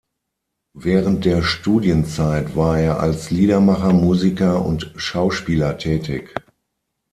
Während der Studienzeit war er als Liedermacher, Musiker und Schauspieler tätig.